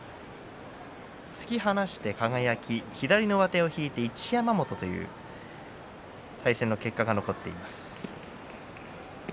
突き放して輝左の上手を引いて一山本という対戦の結果が残っています。